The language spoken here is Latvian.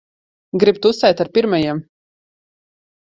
Grib tusēt ar pirmajiem.